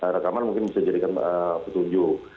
rekaman mungkin bisa dijadikan petunjuk